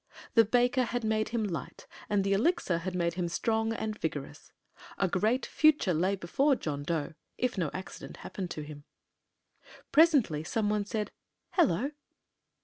The baker had made him light and the Elixir had made him strong and vigorous. A great future lay before John Dough, if no accident happened to him. Presently some one said, "Hello!"